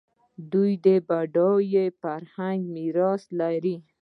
دوی بډایه فرهنګي میراث لري.